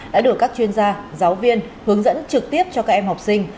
đã được các chuyên gia giáo viên hướng dẫn trực tiếp cho các em học sinh